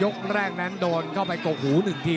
แรกนั้นโดนเข้าไปกกหู๑ที